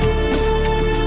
một chiếc uống khác